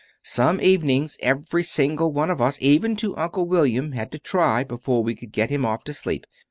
Some evenings, every single one of us, even to Uncle William, had to try before we could get him off to sleep.